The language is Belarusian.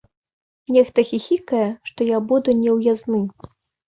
Нехта хіхікае, што я буду неўязны.